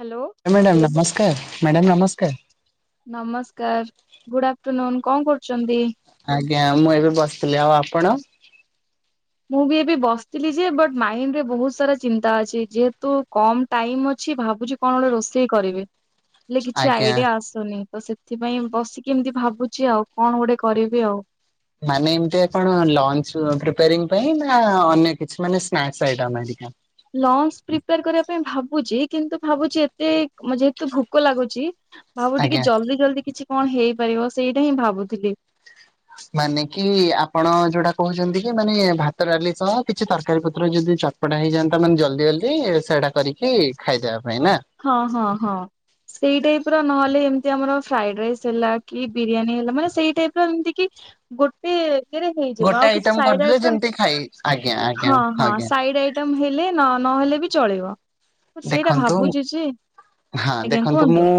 Hello. ହ madam ନମସ୍କାର madam ନମସ୍କାର। ନମସ୍କାର ଗୁଡ ଆଫଟରନୁନ କଁ କରୁଛନ୍ତି? ଆଜ୍ଞା ମୁଁ ଏବେ ବସିଥିଲି ଆଉ ଆପଣ? ମୁଁ ବି ଏବେ ବସିଥିଲି ଯେ ବଟ୍ ମାଇଣ୍ଡ ରେ ବହୁତ ସାରା ଚିନ୍ତା ଅଛି ଯେହେତୁ କମ ଟାଇମ ଅଛି ଭାବୁଚି କଣ ଗୋଟେ ରୋଷେଇ କରିବି ହେଲେ କିଛି ଆଜ୍ଞା। ଆଇଡିଆ ଆସ ନି ସେଥିପାଇଁ ବସିକି ଏମିତି ଭାବୁଚି ଆଉ କଣ ଗୋଟେ କରିବି। ମାନେ ଏମତିଆ କଣ ଲଞ୍ଚ ପ୍ରିପିଆରରିଁ ପାଇଁ ନା ଅନ୍ୟ କିଛି ମାନେ ସ୍ନାକସ୍ ଆଇଟମ ହେରିକା? ଲଞ୍ଚ ପ୍ରିପେୟାର କରିବା ପାଇଁ ଭାବୁଚି କିନ୍ତୁ ଭାବୁଚି ଏତେ ଯେହେତୁ ଭୋକ ଲାଗୁଚି। ଭାବୁ ଟିକେ ଆଜ୍ଞା ଜଲ୍ଦି ଜଲଦି କିଛି କଣ ହେଇପାରିବ ସେଇଟା ହିଁ ଭାବୁଥିଲି। ମାନେ କି ଆପଣ ଯୋଉଟା କହୁଚନ୍ତି କି ମାନେ ଭାତ ଡାଲି ସହ କିଛି ତରକାରୀ ପତ୍ର ଯଦି ଚ ପଟା ହେଇଯାନ୍ତା ମାନେ ଜଲ୍ଦି ଜଲଦି ସେଟା କରିକି ଖାଇଦବା ପାଇଁ ନା। ହଁ ହଁ ହଁ। ସେଇ ଟାଇପ ର ନହେଲେ ଏମିତି ଆମର ଫ୍ରାଇଡ ରାଇସ୍ ହେଲା କି ବିରିୟାନୀ ହେଲା ମାନେ ସେଇ ଟାଇପ ର ଏମିତି କି ଗୋଟେ ହେଇଯିବ ଗୋଟେ ଆଉ ଆଇଟମ କିଛିସାଇରାଇ କରିଦେଲେ ଫନ ଯେମିତି ଖାଇ ଆଜ୍ଞା ଆଜ୍ଞା ହଁ ହଁ ଆଜ୍ଞା। ସାଇରାଇ ଆଟମ ହେଲେ ନ ନହେଲେ ବି ଚଳିବ। ସେଇଟା ଦେଖନ୍ତୁ ଭାବୁଛି ଯେ ହଁ ଆଜ୍ଞା ଦେଖନ୍ତୁ କୁହନ୍ତୁ। ମୁଁ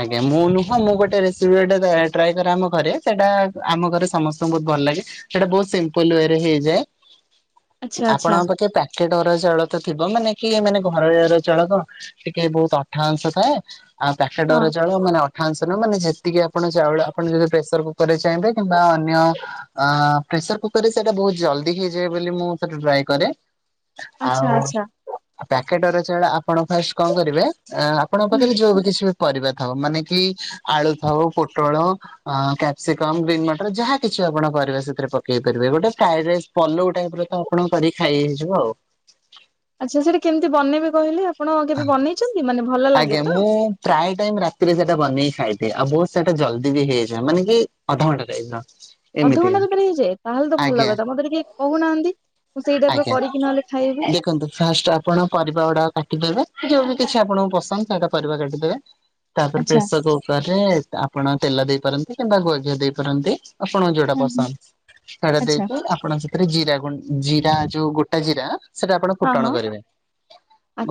ଆଜ୍ଞା ମୁଁ ନୁହଁ ମୁଁ ଗୋଟେ ରେସିପି ଗୋଟେ ଟ୍ରାଏ କରେ ଆମ ଘରେ ସେଇଟା ଆମ ଘରେ ସମସ୍ତଙ୍କୁ ବହୁତ ଭଲ ଲାଗେ। ହେଟା ବହୁତ ସିମ୍ପଲ ୱେରେ ହେଇଯାଏ। ଆଚ୍ଛା ଆଚ୍ଛା ଆପଣଙ୍କ ପାଖେ ପ୍ୟାକେଟ ଅରୁଆ ଚାଉଳ ତ ଥିବ ମାନେ କି ମାନେ ଘରୋଇ ଅରୁଆଚାଉଳ ତ ଟିକେ ବହୁତ ଅଠା ଅଂଶ ଥାଏ ଆଉ ପ୍ୟାକେଟ ହଁ ଅରୁଆ ଚାଉଳ ମାନେ ଅଠାଅଂଶନୁହ ମାନେ ଯେତିକି ଆପଣ ଚାଉଳ ଆପଣ ଯଦି ପ୍ରେସର କୁକର ରେ ଚାହିଁବେ କିମ୍ବା ଅନ୍ୟ ଆ ପ୍ରେସର କୁକର ରେ ସେଇଟା ବହୁତ ଜଲଦି ହେଇଯାଏ ବୋଲି ମୁଁ ସେଟା ଟ୍ରାଏ କରେ। ଆଚ୍ଛା ଆଚ୍ଛା। ପ୍ୟାକେଟର ଚାଉଳ ଆପଣ ଫାଷ୍ଟ କଣ କରିବେ ଆପଣଙ୍କ ହୁଁ। ପାଖରେ ଯୋଉ ବି କିଛି ପରିବା ଥାଉ ମାନେ କି ଆଳୁ ଥାଉ ପୋଟଳ ହ କ୍ୟାପସିକମ ଗ୍ରୀନ୍ ମଟର ଯାହା କିଛି ଆପଣ କରିବେ ସେଥିରେ ପକେଇ ପାରିବେ ଗୋଟେ ଫ୍ରାଇଡ ରାଇସ୍ ପଲଉ ଟାଇପିର ତ ଆପଣ କରିକି ଖାଇ ହେଇଯିବ ଆଉ। ଆଚ୍ଛା ସେଇଟା କେମିତି ବନେଇବେ କହିଲେ ଆପଣ ଆଉ। କେବେ ବନେଇଛନ୍ତି ମାନେ ଭଲ ଆଜ୍ଞା ଲାଗେ ତ। ମୁଁ ପ୍ରାୟ ଟାଇମ ରାତିରେ ସେଇଟା ବନେଇକି ଖାଇଦିଏ ଆଉ ବହୁତ ସେଇଟା ଜଲଦି ବି ହେଇଯାଏ ମାନେ କି ଅଧଘଣ୍ଖାଟାଇପର। ଅଧଘଣ୍ଟା ଭିତରେ ହେଇଯାଏ ତାହେଲେ ତ ଭଲ କଥା ମୋତେ ଟିକିଏ କହୁନାହାନ୍ତି। ମୁଁ ସେଇ ଟାଇପର ଆଜ୍ଞା। କରିକି ନହେଲେ ଖାଇବି। ଦେଖନ୍ତୁ ଫାଷ୍ଟଟା ଆପଣ ପରିବା ଗୁଡା କାଟିଦେବେ ଯୋଉ କିଛି ଆପଣଙ୍କୁ ପସନ୍ଦ ତାହେଲେ ପରିବା କାଟିଦେବେ। ତାପରେ ଆଚ୍ଛା ପ୍ରେସର କୁକର ରେ ଆପଣ ତେଲ ଦେଇପାରନ୍ତି କିମ୍ବା ଗୁଆଘିଆ ଦେଇ ପାରନ୍ତି। ଆପଣଙ୍କୁ ଯୋଉଟା ହୁଁ ହୁଁ ପସନ୍ଦ ସେଇଟା ଆଚ୍ଛା ଦେଇକି ଆପଣ ସେଥିରେ ଗୋଟା ଜିରା ଯୋଉ ଗୋଟା ଜିରା ସେଟା ଆପଣ ହଁ ଫୁଟୁଣ ହଁ କରିବେ।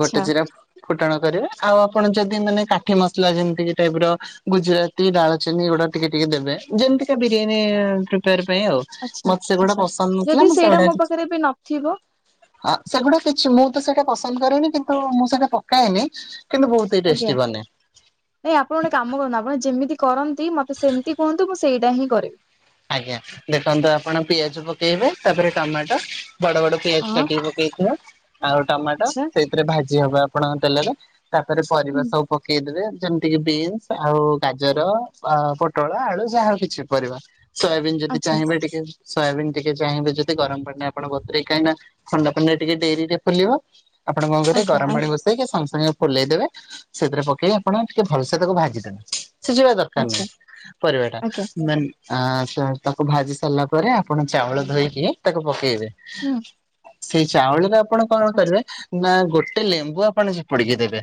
ଗୋଟେ ଜିରା ଫୁଟଣ କରିବେ ଆଉ ଆପଣ ଯଦି ମାନେ କାଠି ମସଲା ଯେମିତି ଟାଇପ ର ଗୁଜୁରାତି ଡାଳଚିନି ଏ ଗୁଡା ଟିକେ ଟିକେ ଦେବେ ଯେମିତିକା ବିରିୟାନୀ ପ୍ରିପେୟାର ପାଇଁ ଆଉ। ଆଚ୍ଛା ମତେ ସେଗୁଡା ଆଚ୍ଛା ପସନ୍ଦ ନଥିଲା ଯଦି ମୁଁ ସେଇଟା ସେଗୁଡା ମୋ ପାଖରେ ବି ନଥିବ ହଁ ସେଗୁଡା କିଛି ମୁଁ ତ ସେଇଟା ପସନ୍ଦ କରିନି କିନ୍ତୁ ମୁଁ ସେଟା ପକାଏନି କିନ୍ତୁ ବହୁତ ହି ଆଜ୍ଞା। ଟେଷ୍ଟି ବନେ। ଏ ଆପଣ ଗୋଟେ କାମ କରନ୍ତୁ ଆପଣ ଯେମିତି କରନ୍ତି ମତେ ସେମିତି କୁହନ୍ତୁ ମୁଁ ସେଇଟା ହିଁ କରିବି। ଆଜ୍ଞା ଦେଖନ୍ତୁ ଆପଣ ପିଆଜ ପକେଇବେ ତାପରେ ଟମାଟୋ ବଡ ବଡ ପିଆଜ ହଁ କାଟିକିପକେଇଥିବା ଆଉ ଟମାଟୋ ଆଚ୍ଛା ସେଇଥିରେ ଭାଜି ହବ ଆପଣଙ୍କ ତେଲରେ। ତାପରେ ପରିବା ହୁଁ ସବୁ ପକେଇଦେବେ। ଯେମିତିକି ବିନ୍ସ ଆଉ ଗାଜର ପୋଟଳ ଆଳୁ ଯାହା କିଛି ବି ପରିବା। ସୟାବିନ୍ ଯଦି ଆଚ୍ଛା ଚାହିଁବେ ଟିକେ ସୋୟାବିନ୍ ଟିକେ ଚାହିଁବେ ଯଦି ଗରମ ପାଣିରେ ବତୁରେଇକି କାହିଁକି ନା ଥଣ୍ଡା ପାଣିରେ ଟିକେ ଡେରିରେ ଫୁଲିବ ଆପଣ କଣ କରିବେ ଆଜ୍ଞା ଗରମ ପାଣି ଆଜ୍ଞା ବସେ ସଙ୍ଗେ ସାଙ୍ଗେ ଫୁଲେଇଦେବେ ସେଥିରେ ପକେଇକି ଆପଣ ଟିକେ ଭଲସେ ତାକୁ ଭାଜି ଦେବେ। ସିଜିବା ଦରକାର ଆଚ୍ଛା ନାହିଁ ପରିବାଟା ଆଜ୍ଞା ମାନ ଆ ତାକୁ ଭାଜି ସାରିଲା ପରେ ଆପଣ ଚାଉଳ ଧୋଇକି ତାକୁ ପକେଇବେ। ହୁଁ ସେଇ ଚାଉଳରେ ଆପଣ କଣ ଆଚ୍ଛା କରିବେ ନା ଗୋଟେ ଲେମ୍ବୁ ଆପଣ ଚିପୁଡିକି ଦେବେ।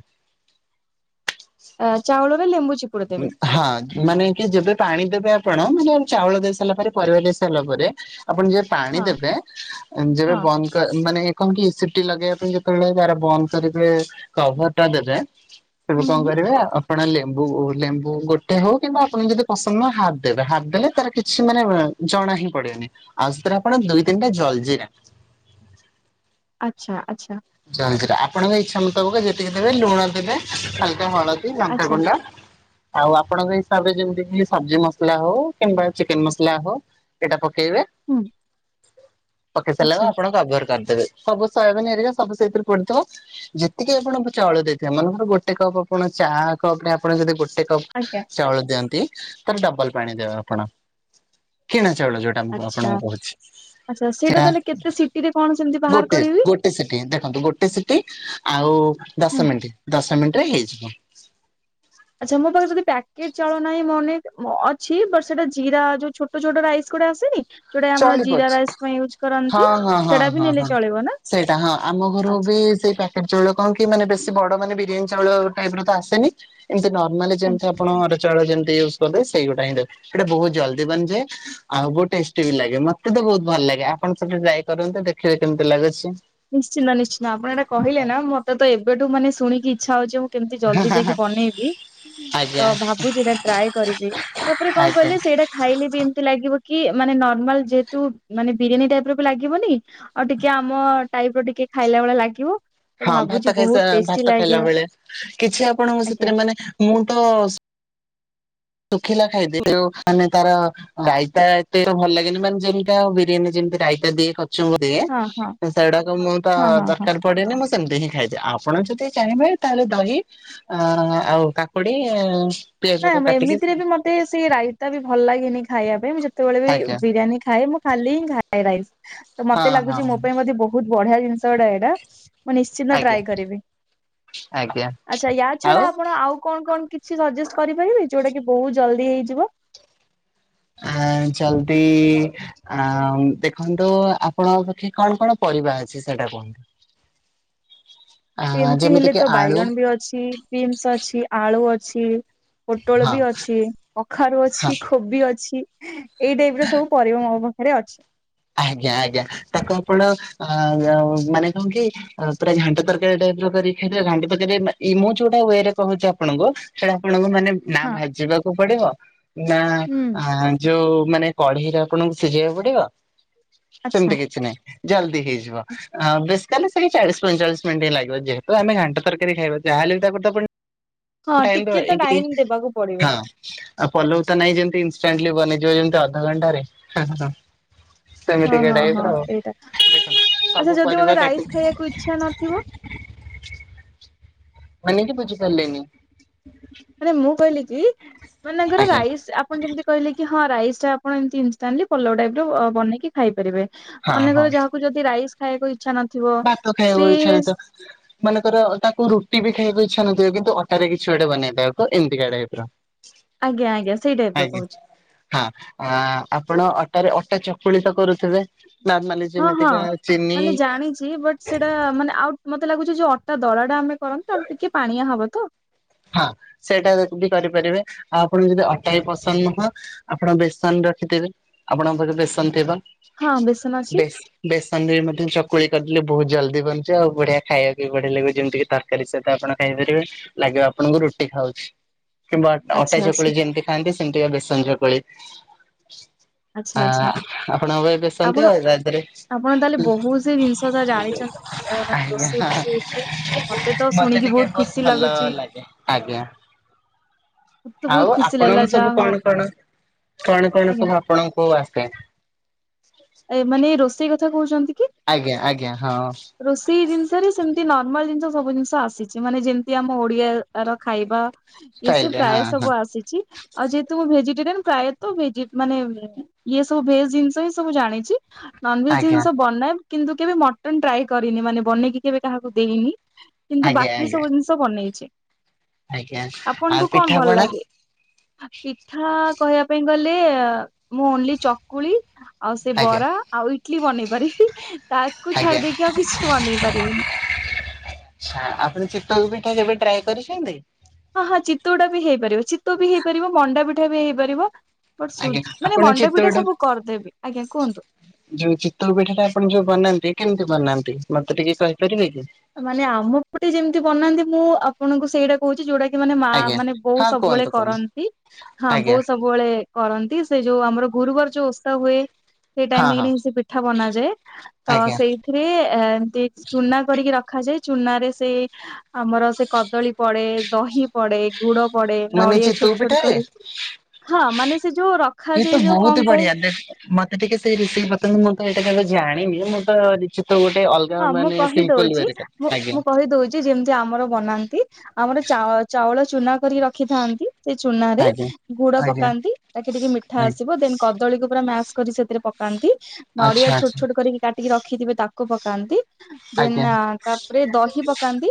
ଚାଉଳରେ ଲେମ୍ବୁ ଚିପୁ ହଁ। ମାନେ କି ଯେବେ ପାଣି ଦେବେ ଆପଣ ମାନେ ଚାଉଳ ଦେଇ ସାରିଲା ପରେ ପରିବା ଦେଇ ସାରିଲା ପରେ ଆପଣ ଯେ ପାଣି ହଁ ଦେବେ ଯେବେ ହଁ ବନ୍ଦ ମାନେ କଣ କି ଏ ସିଟି ଲଗେଇବା ପାଇଁ ଯେତେବେଳେ ତାର ବନ୍ଦ କରିବେ କଭର ଟା ଦେବେ ସେବେ ହୁଁ କଣ ହୁଁ କରିବେ ଆପଣ ଲେମ୍ବୁ ଲେମ୍ବୁ ଗୋଟେ ହଉ କିମ୍ବା ଆପଣଙ୍କୁ ଯଦି ପସନ୍ଦ ନୁହ ହାପ ଦେବେ ହାପ ଦେଲେ ତାର କିଛି ମାନେ ଜଣା ହିଁ ପଡେନି। ଆଉ ସେଥିରେ ଆପଣ ଦୁଇ ତିନିଟା ଜଲଜିିରା ଆଛା ଆଛା। ଜଲଜିରା ଆପଣଙ୍କ ଇଚ୍ଛା ମୁତାବକ ଯେତିକି ଦେବେ ଲୁଣ ଦେବେ ହାଲକା ହଳଦୀ ଲଙ୍କା ଆଚ୍ଛା ଗୁଣ୍ଡ ଆଉ ଆପଣଙ୍କ ହିସାବରେ ଯେମିତି ସବଜି ମସଲା ହଉ କିମ୍ବା ଚିକେନ ମସଲା ହଉ ଏଇଟା ପକେଇବେ। ହୁଁ ପକେଇ ସାରିଲା ଆଚ୍ଛା ପରେ ଆପଣ କଭର କରିଦେବେ। ସବୁ ଶୋୟାବିନ ହେରିକା ସବୁ ସେଥିରେ ପଡିଥିବ। ଯେତିକି ଆପଣ ଚାଉଳ ଦେଇଥିବେ ମନେକର ଗୋଟେ କପ୍ ଆପଣ ଚା କପ ରେ ଆପଣ ଯଦି ଗୋଟେ କପ୍ ଆଜ୍ଞା। ଚାଉଳ ଦିଅନ୍ତି ତାର ଡବଲ ପାଣି ଦେବେ ଆପଣ କିଣା ଚାଉଳ ଯୋଉ। ଆଚ୍ଛା ଆପଣଙ୍କୁ କହୁଛି ଆଚ୍ଛା ସେଇଟା ସେୟା ତାହେଲେ କେତେ ସିଟିରେ କଣ ସେମିତି ବାହାର ଗୋଟେ କରିବି ଗୋଟେ ସେକ ଦେଖନ୍ତୁ ଗୋଟେ ସିଟି ଆଉ ହୁଁ ଦଶ ମିନିଟ ଦଶ ମିନିଟରେ ହେଇଯିବ। ଆଛା ମୋ ପାଖରେ ଯଦି ପ୍ୟାକେଟ ଚାଉଳ ନାହିଁ ମନେ ଅଛି ବଟ ସେଟା ଜିରା ଯୋଉ ଛୋଟ ଛୋଟ ଛୋଟ ରାଇସ୍ ଗୋଡା ଆସେନି ଯୋଉଟା ଆମର ଚଳିବ ଜିରା ରାଇସ୍ ପାଇଁ ୟୁଜ କରନ୍ତି ହଁ ହଁ ହଁ ସେଟା ବି ହଁ ନେଲେ ହଁ ଚଳିବ ନା ସେଇଟା ହଁ ଆମ ଘରୁ ବି ଆଚ୍ଛା ସେଇ ପା [unintelligible] ଚାଉଳ କଣ କି ମାନେ ବେଶୀ ବଡ ମାନେ ବିରିୟାନୀ ଚାଉଳ ଟାଇପ ର ତ ଆସେନି। ଏମିତି ନର୍ମାଲି ଯେମିତି ଆଜ୍ଞା ଆପଣ ଚାଉଳ ଯେମିତି ୟୁଜ କରିଲେ ସେଇ ଗୋଟା ହିଁ ସେଇଟା ବହୁ ଜଲଦି ବନିଯାଏ ଆଉ ଗୋଟେ ଟେଷ୍ଟି ବି ଲାଗେ ମତେ ତ ବୋହୁତ ଭଲ ଲାଗେ ଆପଣ ସେମିତି ଟ୍ରାଏ କରନ୍ତୁ ଦେଖିବେ କେମିତି ଲାଗୁଛି? ନିଶ୍ଚିନ୍ତ ନିଶ୍ଚିନ୍ତ ଆପଣ ଏଟା କହିଲେ ନା ମତେ ତ ଏବେଠୁ ମାନେ ଶୁଣିକି ଇଚ୍ଛା ହଉଛି କେମିତି ଜଲଦି ଯାଇକି ବନେଇବି। ତ ଆଜ୍ଞା ଭାବୁଛି ଏଇଟା ଟ୍ରାଏ କରିବି ତାପରେ କଣ ଆଜ୍ଞା କହିଲେ ସେଇଟା ଖାଇଲେ ବି ଏମିତି ଲାଗିବ କି ମାନେ ନର୍ମାଲ ଯେହେତୁ ମାନେ ବିରିୟାନୀ ଟାଇପ ର ବି ଲାଗିବନି। ଆଉ ଟିକେ ଆମ ଟାଇପ ର ଟିକେ ଖାଇଲା ଭଳିଆ ଲାଗିବ। ତ ହଁ ଭାବୁଛି ଭାତ ବହୁତ ଖାଇସା ଟେଷ୍ଟି ଭାତ ଖାଇଲା ଲାଗିବ ଭଲିଆ କିଛି ଆପଣଙ୍କୁ ଆଜ୍ଞା ସେଥିରେ ମାନେ ମୁଁ ତ ଶୁଖିଲା ଖାଇଦେବି ମାନେ ତାର ରାଇତା ଏତେ ଭଲ ଲାଗେନି ମାନେ ଯେମିତି ଆଉ ବିରିୟାନୀ ଯେମିତି ରାଇତା ଦିଏ କଚୁମ୍ବର ଦିଏ। ହଁ ହଁ। ସେଗୁଡାକ ମୁଁ ତ ହଁ ହଁ ହଁ। ଦରକାର ପଡେନି ମୁଁ ସେମିତି ହିଁ ଖାଇଥାଏ ଆପଣ ଯଦି ଚାହିଁବେ ତାହେଲେ ଦହି ଅ ଆଉ କାକୁଡି ନାଁ ପିଆଜକୁ କାଟିକି ଏମିତିରେ ବି ମ- ମତେ ସେ ରାଇତା ବି ଭଲ ଲାଗେନି ଖାଇବା ପାଇଁ ମୁଁ ଯେତେବେଳେ ଆଜ୍ଞା ବିରିୟାନୀ ଖାଏ ମୁଁ ଖାଲି ହିଁ ଖାଏ। ଖାଏ ରାଇଚ। ହଁ ମତେ ହଁ ଲାଗୁଚି ମୋ ପାଇଁ [unintelligible] ବୋହୁତ ବଢିଆ ଜିନିଷ ଗୁଡ଼ ଏଇଟା। ମୁଁ ନିଶ୍ଚିନ୍ତ ଆଜ୍ଞା ଟ୍ରାଏ କରିବି। ଆଜ୍ଞା ଆଛା ୟା ଆଉ ଛଡା ଆପଣ ଆଉ କଣ କଣ କିଛି ସଜେଷ୍ଟ କରିପାରିବେ ଯୋଉଟା କି ବୋହୁତ ଜଲଦି ହେଇଯିବ? ଆ ଜଲଦି ଆ ଦେଖନ୍ତୁ ଆପଣଙ୍କ ପାଖେ କଣ କଣ ପରିବା ଅଛି ସେଟା କୁହନ୍ତୁ? ଆ ଏମିତି ଯେମିତି ହେଲେ କିି ତ ଆଳୁ ବାଇଗଣ ବି ଅ ଅଛି। ବିମ୍ସ ଅଛି ଆଳୁ ଅଛି। ପୋଟଳ ହଁ ବି ଅଛି, କଖାରୁ ହଁ ଅଛି, କୋବି ଅଛି ଏଇ ଟାଇପ ର ସବୁ ପରିବା ମୋ ପାଖରେ ଅଛି। ଆଜ୍ଞା ଆଜ୍ଞା ତାକୁ ଆପଣ ମାନେ କଣ କି ଆଉ ପୁରା ଘାଣ୍ଟ ତରକାରୀ ଟାଇପର କରିକି ଖାଇଦେବା ଘାଣ୍ଟ ତରକାରୀ ମୁଁ ଯୋଉଟା ୱେରେ କହୁଛି ଆପଣଙ୍କୁ ସେଇଟା ଆପଣଙ୍କୁ ମାନେ ନା ହଁ ଭାଜିବାକୁ ପଡିବ ନା ହୁଁ ଯୋଉ ମାନେ କଢେଇରେ ଆପଣଙ୍କୁ ସିଝେଇବାକୁ ପଡିବ ଆଚ୍ଛା। ସେମିତି କିଛି ନାହିଁ ଜଲଦି ହେଇଯିବ। ବେଶୀ ତାହେଲେ ସେ ଚାଳିଶ ପଞ୍ଚଚାଳିଶ ମିନଟ ହିଁ ଲାଗିବ। ଯେହେତୁ ଆମେ ଘାଣ୍ଟ ତରକାରୀ ଖଇବା ଯାହେଲେ ବି ତାକୁ ତ ପୁଣି ହଁ ଟାଇମ ଟିକେ ଦେବା ତ ଏକରେ ଟାଇମ ଦେବାକୁ ହଁ। ପଡିବ। ଆଉ ପଲଉ ତ ନାଇଁ ଯେମିତି ଇନଷ୍ଟାଟିଲି ବନେଇଯିବ ଯେମିତି ଅଧଘଣ୍ଟାରେ ହଁ ହଁ। ହଁ ହଁ ହଁ ସେଇଟା ଦେଖନ୍ତୁ ସବୁ ଆଚ୍ଛା ଯଦି ପରିବା ମୋତେ କାଟିକି ରାଇସ ଖାଇବାକୁ ଇଚ୍ଛା ନଥିବ? ମାନେ [unintelligible] ବୁଝିପାରିଲେନି? ମାନେ ମୁଁ କହିଲି କି ମନେକର ଆଜ୍ଞା ରାଇସ୍ ଆ ଆପଣ ଯେମିତି କହିଲେ କି ହଁ ରାଇସ୍ ଟା ଆପଣ ଏମିତି ଇନଷ୍ଟାଟଲି ପଲଉ ଟାଇପର ବନେଇକି ଖାଇପାରିବେ ହଁ ହଁ ମନେକର ଯାହାକୁ ଯଦି ରାଇସ୍ ଖାଇବାକୁ ଇଚ୍ଛା ନଥିବ ସେ [inaudible] ମାନେକର ତାକୁ ରୁଟି ବି ଖାଇବାକୁ ଇଚ୍ଛା ନଥିବ କିନ୍ତୁ ଅଟାରେ କିଛି ଗୋଟେ ବନେଇ ଦେବ ଏମିତିକା ଟାଇପ୍ ର। ଆଜ୍ଞା ଆଜ୍ଞା ସେଇ ଟାଇପର ଆଜ୍ଞା କହୁଛି। ହଁ ଆପଣ ଅଟାରେ ଅଟା ଚକୁଳି ତ କରୁଥିବେ? ନାର୍ମାଲି ଯେମିତିକା ଚିନି ଯିଏ ବଟ୍ ସେଇଟା ମାନେ ଆଉ ମତେ ଲାଗୁଛି ଯୋଉ ଅଟା ଦଳାଟା ଆମେ କରନ୍ତୀ ତାଠୁ ଟିକେ ପାଣିଆ ହବ ତ। ହଁ ସେଇଟା ଯଦି ବି କରିପାରିବେ ଆଉ ଆପଣଙ୍କୁ ଯଦି ଅଟା ବି ପସନ୍ଦ ନୁହଁ ଆପଣ ବେସନ ରଖିଥିବେ ଆପଣଙ୍କ ପାଖରେ ବେସନ ଥିବ, ହଁ ବେସନ ଅଛି ବେ ବେସନରେ ବି ମଧ୍ୟ ଚକୁଳି କରିଦେଲେ ବହୁତ ଜଲ୍ଦି ବନିଯିବ ଆଉ ବଢିଆ ଖାଇବା ବି ବଢିଆ ଲାଗିବ ଯେମିତି କି ତ ତରକାରୀ ସହିତ ଆପଣ ଖାଇପାରିବେ ଲାଗିବ ଆପଣଙ୍କୁ ରୁଟି ଖାଉଛି କିମ୍ବା ଆଚ୍ଛା ଅଟା ଆଚ୍ଛା ଚକୁଳି ଯେମିତି ଖାଆନ୍ତି ସେମିତିକା ବେସନ ଚକୁଳି। ଆଚ୍ଛା ଆ ଆଚ୍ଛା ଆପଣଙ୍କ ଘରେ ବେସନ ଆପଣ ଥିବ ତା ଧିଅରେ ଆପଣ ତାହେଲେ ବହୁତ ସେ ଜିନିଷ ଯା ଜାଣିଛନ୍ତି ଆ ମାନେ ଆଜ୍ଞା ରୋଷେଇ ଫୋଷେଇ ଉପରେ। ତ ହିଁ ମତେ ଶୁଣିକି ଟିକେ ବହୁତ ବହୁତ୍ ଖୁସି ଭଲ ଲାଗୁଛି। ଲାଗେ [unintelligible] ଆଜ୍ଞା। ମତେ ତ ବହୁତ ଆଉ ଖୁସି ଲାଗିଲା ଆପଣଙ୍କ ସବୁ ଯାହା ହଉ କଣ କଣ କଣ କଣ ଆଜ୍ଞା ସବୁ ଆପଣଙ୍କୁ ଆସେ? ଏ ମାନେ ରୋଷେଇ କଥା କହୁଛନ୍ତି କି? ଆଜ୍ଞା ଆଜ୍ଞା ହଁ। ରୋଷେଇ ଜିନିଷରେ ସେମିତି ନର୍ମାଲ ଜିନିଷ ସବୁ ଜିନିଷ ଆସିଛି ମାନେ ଯେମିତି ଆମ ଓଡିଆର ଖାଇବା ଯେ ସେ ଷ୍ଟାଇଲରେ ହଁ ପ୍ରାୟ ହଁ ସବୁ ଆସିଛି। ଆଉ ଯେହେତୁ ମୁଁ ଭେଜିଟେରିଆନ୍ ପ୍ରାୟତ ଭେଜି ମାନେ ଇଏ ସବୁ ଭେକ ଜିନିଷ ହିଁ ସବୁ ଜାଣିଛି। ନନଭେଜ ଆଜ୍ଞା ଜିନିଷ ବନାଏ କିନ୍ତୁ କେବେ ମଟନ ଟ୍ରାଏ କରିନି ମାନେ ବନେଇକି କେବେ କାହାକୁ ଦେଇନି। କିନ୍ତୁ ଆଜ୍ଞା ବାକି ଆଜ୍ଞା। ସବୁ ଜିନିଷ ବନେଇଛି, ଆଜ୍ଞା ଆଉ ଆପଣଙ୍କୁ କଣ ଭଲ ପିଠାପଣା ଲାଗେ? ପିଠା କହିବା ପାଇଁ ଗଲେ ମୁଁ ଓନ୍ଲି ଚକୁଳି ଆଉ ସେ ଆଜ୍ଞା ବରା ଆଉ ଇଟଲି ବନେଇ ପାରିବି ତାକୁ ଛାଡି ଦେଇକି ଆଉ କିଛି ବନେଇ ପାରିବିନି [unintelligible] ଆଛା ଆପଣ ଚିତଉ ପିଠା କେବେ ଟ୍ରାଏ କରିଛନ୍ତି? ହଁ ହଁ ଚିତୋଉଟା ବି ହେଇପାରିବ ଚିତୋଉ ବି ହେଇପାରିବ ମଣ୍ଡା ପିଠା ବି ହେଇପାରିବ। ବଟ୍ ଆଜ୍ଞା ସୁଜି ମାନେ ଆପଣ ମଣ୍ଡପିଠା ଚିତଉଟା ସବୁ କରିଦେବି ଆଜ୍ଞା କୁହନ୍ତୁ। ଯୋଉ ଚିତୋଉ ପିଠାଟା ଆପଣ ଯୋଉ ବନାନ୍ତି କେମିତି ବନାନ୍ତି ମତେ ଟିକେ କହିପାରିବେ କି? ମାନେ ଆମ ପଟେ ଯେମିତି ବନାନ୍ତି ମୁଁ ଆପଣଙ୍କୁ ସେଇଟା କହୁଛି ଯୋଉଟା କି ମାନେ ମା ଆଜ୍ଞା ମାନେ ବୋଉ ହଁ ସବୁବେଳେ କୁହନ୍ତୁ କୁହନ୍ତୁ କରନ୍ତି ହଁ ଆଜ୍ଞା ବୋଉ ସବୁ ସବୁବେଳେ କରନ୍ତି ସେ ଯୋଉ ଆମର ଗୁରୁବାର ଯୋଉ ଓସା ହୁଏ ସେଇ ହଁ ଟାଇମରେ ହଁ ହିଁ ସେ ପିଠା ବନାଯାଏ ତ ଆଜ୍ଞା ସେଇଥିରେ ଏମତି ଚୁନା କରିକି ର ରଖାଯାଏ ଚୁନାରେ ସେ ଆମର ସେ କଦଳୀ ପଡେ ଦହି ପଡେ ଗୁଡ ପଡେ ମାନେ ନଡ଼ିଆ ଚିତଉ ଛୋଟ ଛୋଟ ପିଠାରେ କରି ହଁ ମାନେ ସେ ଯୋଉ ଇଏ ତ ରଖାଯାଏ ଯୋଉ ବହୁତ କଣ ବଢିଆ କହି ମତେ ଟିକେ ସେଇ ରେସିପି ବତାନ୍ତୁ ମୁଁ ତ ଏଇଟା କିନ୍ତୁ ଜାଣିନି ମୁଁ ତ କିଛି ତ ଗୋଟେ ଅଲ୍ ହଁ ମୁଁ କହିଦଉଛି ମୁଁ ମୁଁ କହିଦଉଛି ଚି ଯେମତି ଆମର ବନାନ୍ତି ଆମର ଚାଉ - ଚାଉଳ ଚୁନା କରିକି ରଖ୍ ରଖିଥାନ୍ତି ସେ ଚୁନାରେ ଆଜ୍ଞା। ଗୁଡ ଆଜ୍ଞା ପକାନ୍ତି ତାକି ଟିକେ ମିଠା ଆଜ୍ଞା ଆସିବ ଦେନ୍ କଦଳୀକୁ ପୁରା ମାସ୍ କରିିକି ସେଥିରେ ପକାନ୍ତି, ନଡିଆ ଆଚ୍ଛା ଛୋଟ ଆଚ୍ଛା ଛୋଟ କରି କାଟିକି ରଖିଥିବେ ତାକୁ ପକ୍ କାନ୍ତି ଦେନ୍ ଆଜ୍ଞା ତାପରେ ଦହି ପକାନ୍ତି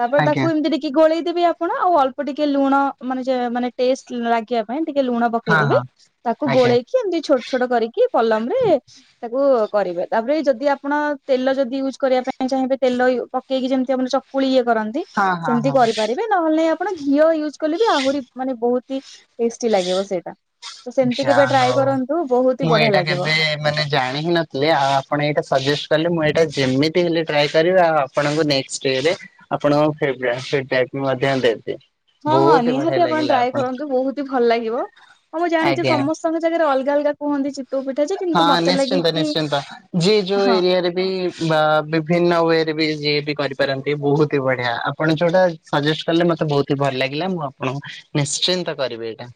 ତାପରେ ଆଜ୍ଞା ତାକୁ ଏମତି ଟିକେ କି ଗୋଳେଇଦେବେ ଆପଣ ଆଉ ଅଳ୍ପ ଟିକେ ଲୁଣ ମାନେ ଯେ ମାନେ ଟେଷ୍ଟ ଲାଗିଆକୁ ପାଇଁ ଟିକେ ଲୁଣ ପକେଇ ହଁ ଦେବେ ହଁ ତାକୁ ଆଜ୍ଞା। ଗୋଳେଇକି କି ଏମତି ଛୋଟ ଛୋଟ କରିକି ପଲମ ରେ ତାକୁ କରିବେ ତାପରେ ଯଦି ଆପଣ ତେଲ ଯଦି ୟୁଜ୍ କରିବା ପାଇଁ ଚାହିଁବେ ତେଲବି ପକେଇକି ଯେମତି ଆମନ ଚକୁଳି ଇଏ କରନ୍ତି ହଁ ହଁ ସେମତି ହଁ କରିପାରିବେ। ନହେଲେ ନାଇଁ ଆପଣ ଘିଅ ୟୁଜ୍ କଲେ ବି ଆହୁରି ମାନେ ବହୁତ ହି ଟେଷ୍ଟି ଲାଗିବ ସେଟା। ତ ସେମତି କେବେ ଯାହା ଟ୍ରାଏ ହଉ କରନ୍ତୁ ବହୁତ ହି ମୁଁ ବଢ଼ିଆ ଏଇଟା ଲାଗିବ। କେବେ ମାନେ ଜାଣି ହିଁ ନଥିଲେ ଆ ଆ ଆପଣ ଏଇଟା ସଜେଷ୍ଟ କଲେ ମୁଁ ଏଇଟା ଯେମିତି ହେଲେ ଟ୍ରାଏ କରିବି ଆପ ଆପଣଙ୍କୁ ନେକ୍ସଟ ଡ଼େ ରେ ଆପଣଙ୍କ ଫିଡ଼ବା ଫିଡବାକ୍ ମଧ୍ୟ ଦେବି। ହଁ ହଁ ବହୁତ ବଢିଆ ନିହାତି ଆପଣ ଲାଗିଲା ଟ୍ରାଏ କରନ୍ତୁ ବହୁତ ଭଲ ଲାଗିବ ହଁ ମୁଁ ଜାଣିଚି ଆଜ୍ଞା ସମସ୍ତଙ୍କ ଜାଗାରେ ଅଲଗା ଅଲଗା କୁହନ୍ତି ଚିପ୍ ହଁ ନିଶ୍ଚିନ୍ତ ନିଶ୍ଚିନ୍ତ ଯିଏ ଯୋଉ ହଁ ଏରିଆରେ ବି ବା ବିଭିନ୍ନ ୱେରେ ବି ଯିଏ ବି କରିପାରନ୍ତି ବହୁତ ହି ବଢ଼ିଆ ଆପଣ ଯୋଉଟା ସଜେଷ୍ଟ କଲେ ମତେ ବହୁତ ହି ଭଲ ଲାଗିଲା ମୁଁ ଆପଣଙ୍କୁ ନିଶ୍ଚିନ୍ତ କରିବି ଏଇଟା।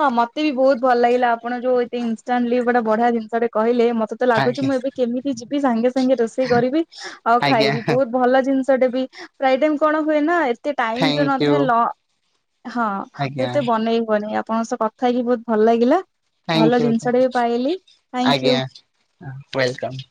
ହଁ ମତେ ବି ବହୁତ ଭଲ ଲାଗିଲା ଆପଣ ଯୋଉ ଏତେ ଇନଷ୍ଟାଣ୍ଟଲି ବଡ଼ ବଢ଼ିଆ ଜିନଷଟେ କହିଲେ ମତ ତ ମତେ ଲାଗୁଚି ଆଜ୍ଞା ମୁଁ ଏବେ କେମିତି ଯିବି ସାଙ୍ଗେ ସାଙ୍ଗେ ରୋଷେଇ କରିବି ଆଉ ଆଜ୍ଞା ଖାଇବି ବହୁତ ଭଲ ଜିନଷଟେ ବି ପ୍ରାଏ ଟାଇମ କଣ ହୁଏ ନା ଏତେ ଟାଇମ୍ ଯୋଉ ଥ୍ୟାଙ୍କୟୁ ନଥାଏ ଲ ହଁ ଆଜ୍ଞା ଏତେ ବନେଇ ହୁଏନି ଆପଣଙ୍କ ସହ କଥା ହେଇକି ବହୁତ ଭଲ ଲାଗିଲା। ଭଲ ଥ୍ୟାଙ୍କୟୁ ଜିନଷଟେ ବି ପାଇଲି ଥାଇଁକିୟୁ। ହଁ ୱେଲକମ୍।